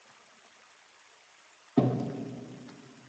Mahsulotlar qancha muddatda sertifikatlashtiriladi?